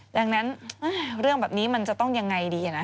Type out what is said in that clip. ดังนั้นเรื่องแบบนี้มันจะต้องยังไงดีนะ